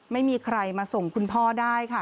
ไม่มีใครมาส่งคุณพ่อได้ค่ะ